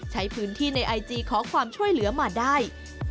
ใช้พื้นที่ในไอจีขอความช่วยเหลือมาได้